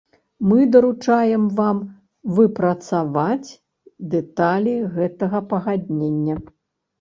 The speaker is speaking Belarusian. Мы даручаем вам выпрацаваць дэталі гэтага пагаднення.